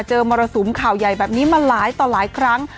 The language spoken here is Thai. มรสุมข่าวใหญ่แบบนี้มาหลายต่อหลายครั้ง